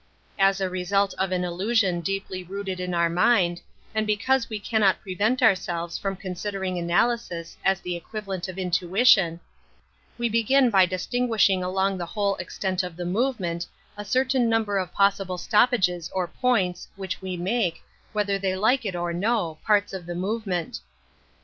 As a result of an illusion deeply rooted in our mind, and because we cannot prevent ourselves J from considering analysis as the equivalent N^of intuition, we begin by distinguishing along the whole extent of the movement, a certain number of possible stoppages or points, which we make, whether they like it or no, parts of the movement.